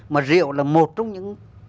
mà rượu là một trong những